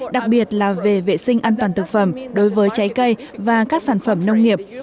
đặc biệt là về vệ sinh an toàn thực phẩm đối với trái cây và các sản phẩm nông nghiệp